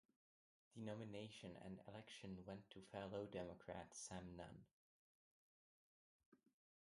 The nomination and the election went to fellow Democrat Sam Nunn.